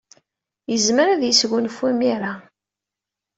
Yezmer ad yesgunfu imir-a.